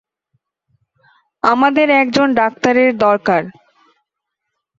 আমাদের একজন ডাক্তারের দরকার।